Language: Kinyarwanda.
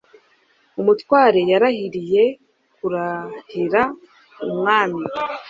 Umutware yarahiriye kurahira umwami.